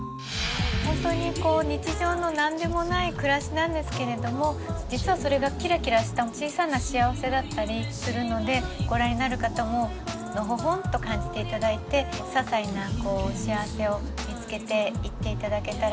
本当にこう日常の何でもない暮らしなんですけれども実はそれがキラキラした小さな幸せだったりするのでご覧になる方ものほほんと感じて頂いてささいな幸せを見つけていって頂けたらなっていうふうに思ってます。